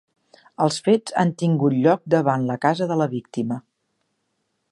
Els fets han tingut lloc davant la casa de la víctima.